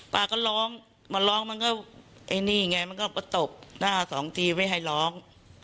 ป้าก็ร้องมาร้องมันก็ไอ้นี่ไงมันก็มาตบหน้าสองทีไม่ให้ร้อง